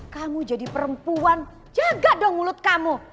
kamu jadi perempuan jaga dong mulut kamu